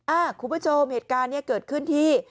คุณผู้ชมเหตุการณ์นี้เกิดขึ้นที่